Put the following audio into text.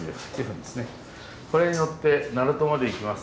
これに乗って鳴門まで行きます。